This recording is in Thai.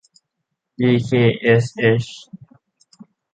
ดีเคเอสเอช